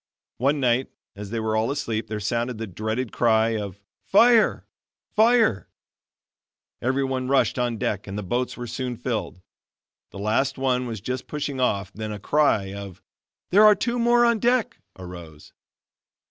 One night, as they were all asleep there sounded the dreaded cry of "Fire, fire!" Everyone rushed on deck and the boats were soon filled. The last one was just pushing off then a cry of "there are two more on deck," arose.